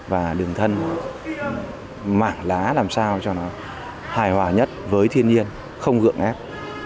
và đường thân mảng lá làm sao cho nó hài hòa nhất với thiên nhiên không gượng ép